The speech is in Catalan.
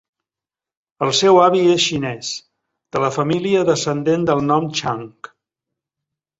El seu avi és xinés, de la família descendent del nom Chang.